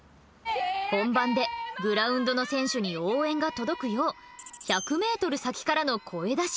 本番でグラウンドの選手に応援が届くよう１００ｍ先からの声出し。